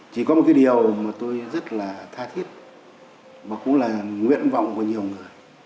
chỉ có một cái điều mà tôi rất là tha thiết và cũng là nguyện vọng của nhiều người